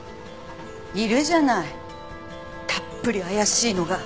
いるじゃないたっぷり怪しいのが。